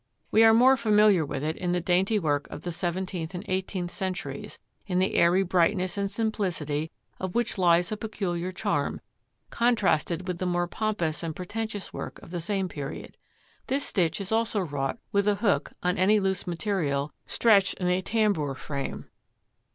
We are more familiar with it in the dainty work of the seventeenth and eighteenth centuries, in the airy brightness and simplicity of which lies a peculiar charm, contrasted with the more pompous and pretentious work of the same period. This stitch is also wrought with a hook on any loose material stretched in a tambour frame.